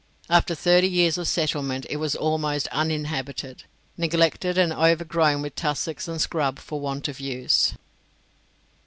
After thirty years of settlement it was almost uninhabited neglected and overgrown with tussocks and scrub for want of use.